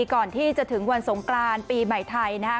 ก่อนที่จะถึงวันสงกรานปีใหม่ไทยนะครับ